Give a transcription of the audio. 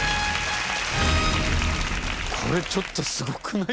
これちょっとすごくない？